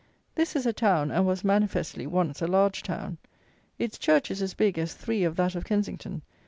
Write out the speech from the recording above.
This is a town, and was, manifestly, once a large town. Its church is as big as three of that of Kensington.